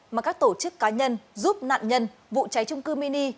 mà các tổ chức cá nhân giúp nạn nhân vụ cháy trung cư mini